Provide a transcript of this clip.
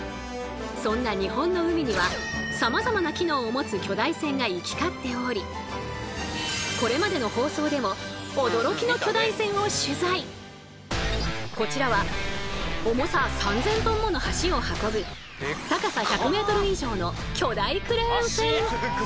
そんな日本の海にはさまざまな機能を持つ巨大船が行き交っておりこちらは重さ３，０００ｔもの橋を運ぶ高さ１００ｍ以上の巨大クレーン船。